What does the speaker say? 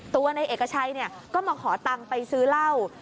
ตัวในเอกชัยก็มาขอตังค์ไปซื้อเหล้า